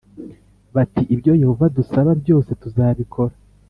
bati ibyo Yehova adusaba byose tuzabikora